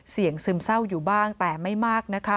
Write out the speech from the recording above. เสี่ยงซึมเศร้าอยู่บ้างแต่ไม่มาก